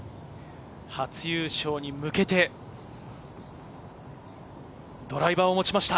初優勝に向けて、ドライバーを持ちました。